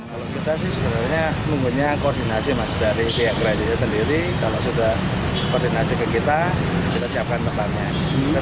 kalau kita sih sebenarnya menggunakan koordinasi dari pihak gereja sendiri kalau sudah koordinasi ke kita kita siapkan pertanyaan